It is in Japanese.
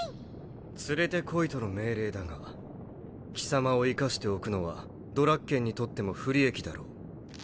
連れてこいとの命令だが貴様を生かしておくのはドラッケンにとっても不利益だろう。